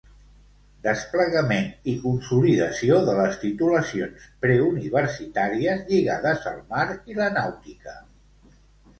Desplegament i consolidació de les titulacions preuniversitàries lligades al mar i la nàutica.